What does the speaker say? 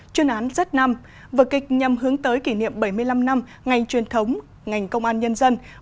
chuyên án z năm vở kịch nhằm hướng tới kỷ niệm bảy mươi năm năm ngày truyền thống ngành công an nhân dân